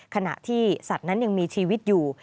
ขณะที่สัตว์นั้นยังมีชีวิตอยู่